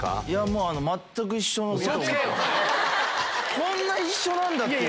こんな一緒なんだ！って。